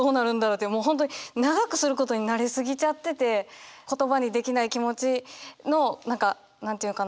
もう本当に長くすることに慣れ過ぎちゃってて言葉にできない気持ちの何か何て言うのかな？